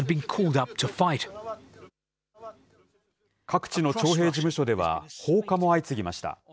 各地の徴兵事務所では、放火も相次ぎました。